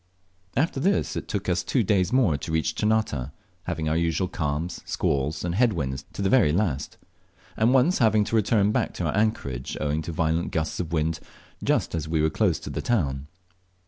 After this it took us two days more to reach Ternate, having our usual calms, squalls, and head winds to the very last; and once having to return back to our anchorage owing to violent gusts of wind just as we were close to the town.